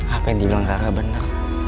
apa yang dibilang rara bener